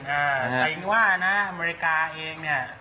แต่ยังว่านะอเมริกาเองเนี่ย